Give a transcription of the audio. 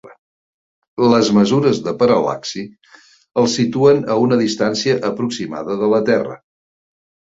Les mesures de paral·laxi el situen a una distància aproximada de la Terra.